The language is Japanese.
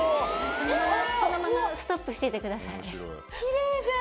そのままストップしててくださいね。